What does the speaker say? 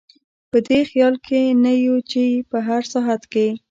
په دې خیال کې نه یو چې په هر ساعت کې.